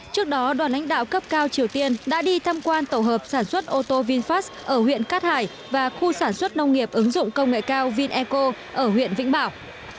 trước đó đoàn ánh đạo cấp cao triều tiên đã đi thăm quan tổ hợp sản xuất ô tô vinfast ở huyện cát hải và khu sản xuất nông nghiệp ứng dụng công nghệ cao vineco ở huyện vĩnh bảo